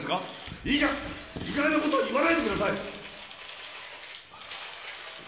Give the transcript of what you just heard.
いい加減なこと言わないでください！